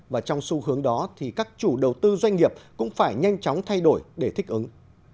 và trong xu hướng đó thì các chủ đầu tư doanh nghiệp cũng phải nhanh chóng thay đổi để thích ứng